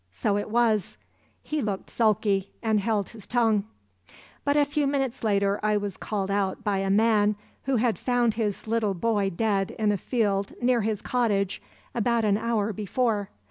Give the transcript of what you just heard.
So it was—he looked sulky and held his tongue. "But a few minutes later I was called out by a man who had found his little boy dead in a field near his cottage about an hour before.